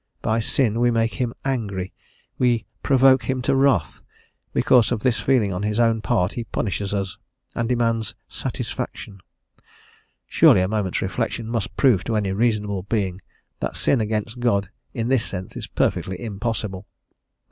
By sin we make him "angry," we "provoke him to wrath;" because of this feeling on his own part he punishes us, and demands "satisfaction." Surely a moment's reflection must prove to any reasonable being that sin against God in this sense is perfectly impossible.